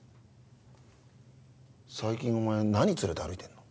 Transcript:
最近お前何連れて歩いてんの？